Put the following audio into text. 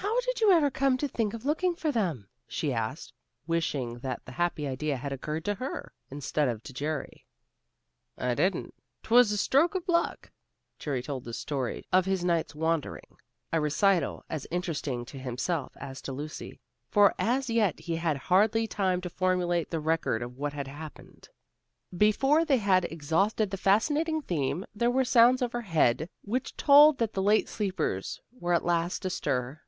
"How did you ever come to think of looking for them?" she asked, wishing that the happy idea had occurred to her, instead of to Jerry. "I didn't. 'Twas just a stroke of luck." Jerry told the story of his night's wandering, a recital as interesting to himself as to Lucy, for as yet he had hardly had time to formulate the record of what had happened. Before they had exhausted the fascinating theme there were sounds overhead which told that the late sleepers were at last astir.